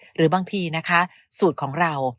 หรือบางทีสูตรของเรา